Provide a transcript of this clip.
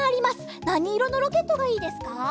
なにいろのロケットがいいですか？